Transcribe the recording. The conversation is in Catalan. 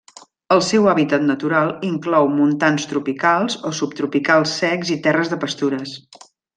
El seu hàbitat natural inclou montans tropicals o subtropicals secs i terres de pastures.